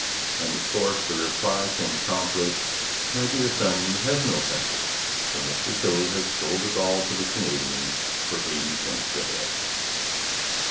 and, of course, the reply came promptly 'My dear son, you have no country, for Mr Tilley has sold us all to the Canadians for eighty cents a head.'